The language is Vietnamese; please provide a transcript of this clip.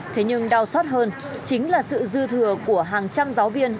thế nhưng đau xót hơn chính là sự dư thừa của hàng trăm giáo viên